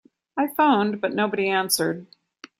I phoned but nobody answered.